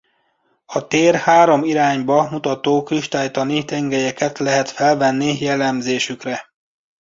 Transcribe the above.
A tér három irányába mutató kristálytani tengelyeket lehet felvenni jellemzésükre.